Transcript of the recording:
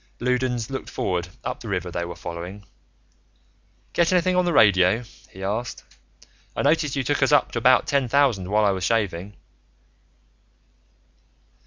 Loudons looked forward, up the river they were following. "Get anything on the radio?" he asked. "I noticed you took us up to about ten thousand, while I was shaving."